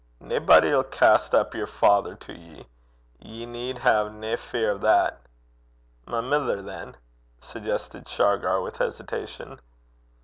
'Naebody 'ill cast up yer father to ye. Ye need hae nae fear o' that.' 'My mither, than?' suggested Shargar, with hesitation.